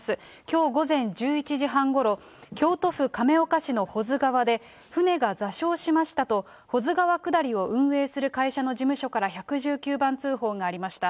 きょう午前１１時半ごろ、京都府亀岡市の保津川で、舟が座礁しましたと、保津川下りを運営する会社の事務所から１１９番通報がありました。